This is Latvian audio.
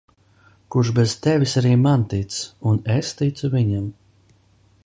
Kurš bez tevis arī man tic un es ticu viņam.